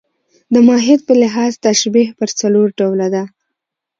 د ماهیت په لحاظ تشبیه پر څلور ډوله ده.